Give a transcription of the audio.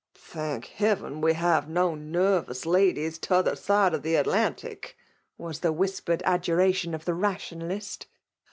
" Thank heaven we have no nervous ladi^ t'other side the Atlantic !"— was the whis«, pered adjuration of tlie Rationalist